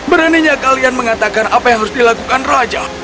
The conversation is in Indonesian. beraninya kalian mengatakan apa yang harus dilakukan raja